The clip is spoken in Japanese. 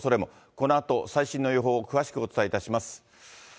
このあと最新の予報を詳しくお伝えいたします。